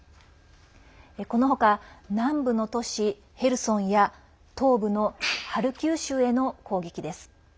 この他、南部の都市ヘルソンや東部のハルキウ州への攻撃です。